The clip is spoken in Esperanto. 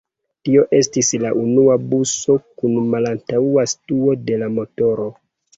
Tio estis la unua buso kun malantaŭa situo de la motoro.